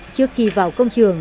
trước khi vào công trường